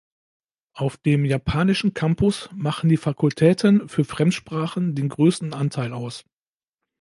Auf dem japanischen Campus machen die Fakultäten für Fremdsprachen den größten Anteil aus.